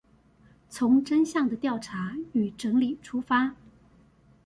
從真相的調查與整理出發